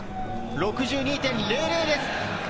６２．００です。